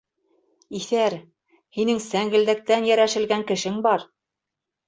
Иҫәр... һинең сәңгелдәктән йәрәшелгән кешең бар.